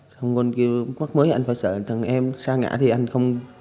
xong con kêu mắt mới anh phải sợ thằng em xa ngã thì anh không